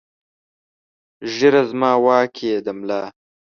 ږېره زما واک ېې د ملا